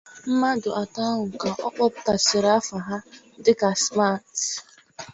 Mmadụ atọ ahụ ka ọ kpọpụtasịrị aha ha dịka: 'Smart'